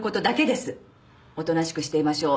おとなしくしていましょう。